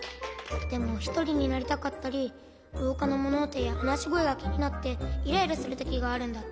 でもひとりになりたかったりろうかのものおとやはなしごえがきになってイライラするときがあるんだって。